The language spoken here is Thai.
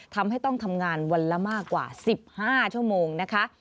ทำให้ต้องทำงานวันละมากกว่า๑๕ชั่วโมงนะคะ